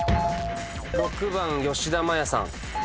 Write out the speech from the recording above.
６番吉田麻也さん。